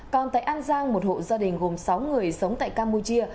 còn tại an giang một hộ gia đình gồm sáu người sống tại campuchia